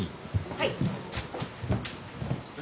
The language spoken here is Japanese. はい。